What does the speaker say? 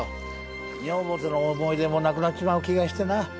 女房との思い出もなくなっちまう気がしてな。